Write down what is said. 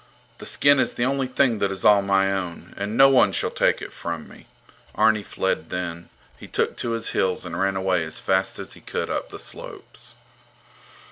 The skin is the only thing that is all my own, and no one shall take it from me. Arni fled then. He took to his heels, and ran away as fast as he could up the slopes.